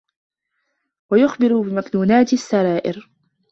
وَيُخْبِرُ بِمَكْنُونَاتِ السَّرَائِرِ